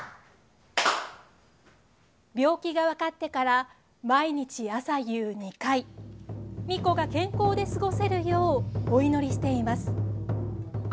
病気が分かってから毎日朝夕２回ミコが健康で過ごせるようお祈りしています。